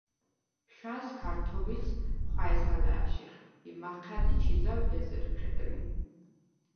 შუ̂ა̈ნს ქართობილს ხუ̂ა̈ჲს ალა̄̈შიხ ი მაჴა̈დი ჩი ზაუ̂ ეზერ ჴედნი.